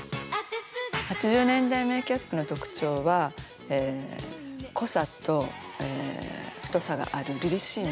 ８０年代メーキャップの特徴は濃さと太さがある、りりしい眉。